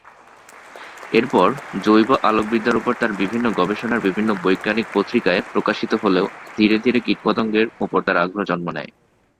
এরপর জৈব-আলোকবিদ্যার ওপর তার বিভিন্ন গবেষণা বিভিন্ন বৈজ্ঞানিক পত্রিকায় প্রকাশিত হলেও ধীরে ধীরে কীট পতঙ্গের ওপর তার আগ্রহ জন্ম নেয়।